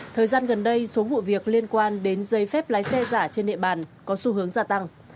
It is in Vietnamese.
thời gian gần đây số vụ việc liên quan đến giấy phép lái xe giả trên địa bàn có xu hướng gia tăng